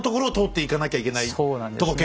そうなんですね。